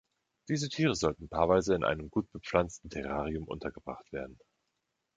Diese Tiere sollten paarweise in einem gut bepflanzten Terrarium untergebracht werden.